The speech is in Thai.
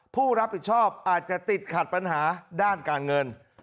ผู้รับผิดชอบอาจจะติดขัดปัญหาด้านการเงิน